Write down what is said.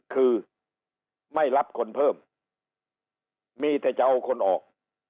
คือไม่รับคนเพิ่มมีแต่จะเอาคนออก